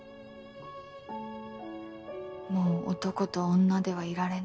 もう男と女ではいられないんだって。